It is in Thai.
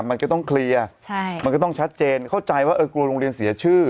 มันก็ต้องเคลียร์ใช่มันก็ต้องชัดเจนเข้าใจว่าเออกลัวโรงเรียนเสียชื่อ